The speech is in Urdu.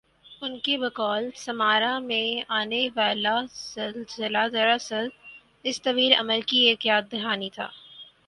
ان کی بقول سمارا میں آنی والازلزلہ دراصل اس طویل عمل کی ایک یاد دہانی تھا